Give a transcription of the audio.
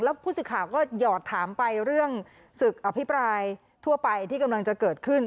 ผู้สื่อข่าวก็หยอดถามไปเรื่องศึกอภิปรายทั่วไปที่กำลังจะเกิดขึ้น